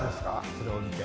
それを見て。